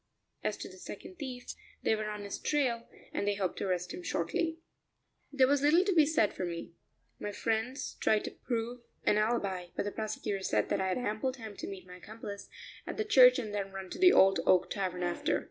As to the second thief, they were on his trail, and they hoped to arrest him shortly. There was little to be said for me; my friends tried to prove an alibi, but the prosecutor said that I had ample time to meet my accomplice at the church and then run to the Old Oak Tavern after.